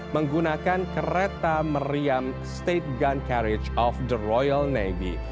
menggunakan kereta meriam state gun carridge of the royal navy